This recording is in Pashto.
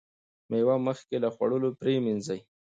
مېوه مخکې له خوړلو پریمنځئ.